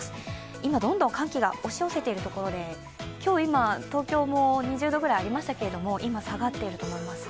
今どんどん寒気が押し寄せているところで、今日、東京も２０度ぐらいありましたけれども、今、下がっていると思います。